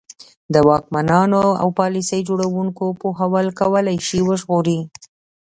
د واکمنانو او پالیسي جوړوونکو پوهول کولای شي وژغوري.